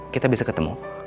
kita bisa ketemu